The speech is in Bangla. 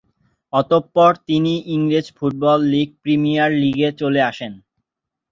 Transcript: অতঃপর তিনি ইংরেজ ফুটবল লীগ প্রিমিয়ার লীগে চলে আসেন।